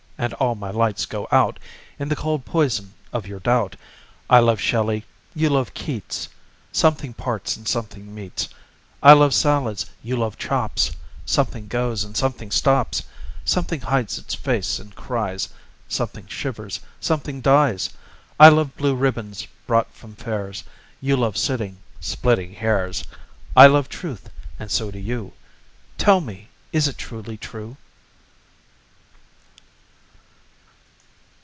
. and all my lights go out In the cold poison of your doubt. I love Shelley ... you love Keats Something parts and something meets. I love salads ... you love chops; Something goes and something stops. Something hides its face and cries; Something shivers; something dies. I love blue ribbons brought from fairs; You love sitting splitting hairs. I love truth, and so do you ... Tell me, is it truly true?